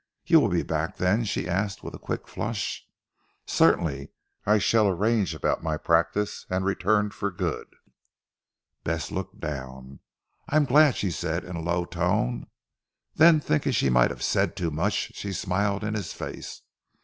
"You will be back then?" she asked with a quick flush. "Certainly. I shall arrange about my practice and return for good." Bess looked down. "I am glad," she said in a low tone; then thinking she might have said too much she smiled in his face.